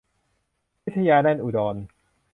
พิทยา แน่นอุดร